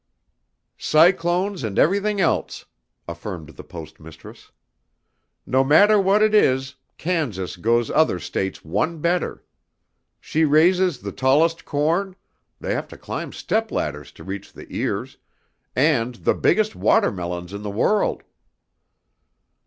"Cyclones and everything else," affirmed the Post Mistress. "No matter what it is, Kansas goes other States one better. She raises the tallest corn they have to climb stepladders to reach the ears and the biggest watermelons in the world."